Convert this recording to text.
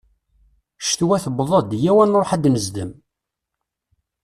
Ccetwa tewweḍ-d, yaw ad nruḥ ad d-nezdem!